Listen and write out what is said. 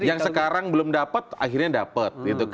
yang sekarang belum dapat akhirnya dapat